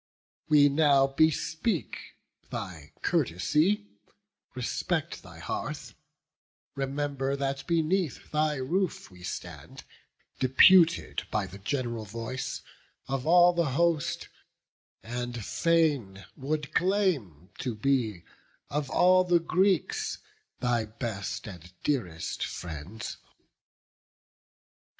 We now bespeak thy courtesy; respect Thy hearth; remember that beneath thy roof We stand, deputed by the gen'ral voice Of all the host; and fain would claim to be, Of all the Greeks, thy best and dearest friends."